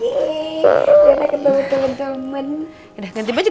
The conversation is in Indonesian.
yeay rena ketemu temen temen